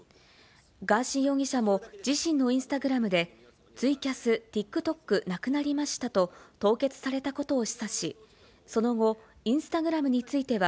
ガーシー容疑者も自身のインスタグラムで、ツイキャス、ＴｉｋＴｏｋなくなりましたと、凍結されたことを示唆し、その後、インスタグラムについては、